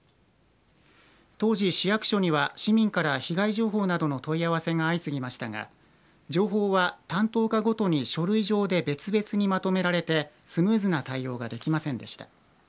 当時、市役所には市民から被害情報などの問い合わせが相次ぎましたが情報は担当課ごとに書類上で別々にまとめられてスムーズな対応ができませんでした。